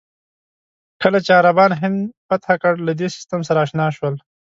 کله چې عربان هند فتح کړل، له دې سیستم سره اشنا شول.